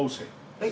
はい。